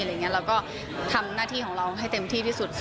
เราก็ทำหน้าที่ของเราให้เต็มที่ที่สุด